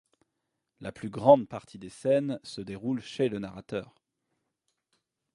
La plus grande partie des scènes se déroule chez le narrateur.